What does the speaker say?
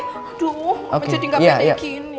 aduh maja tinggal pede gini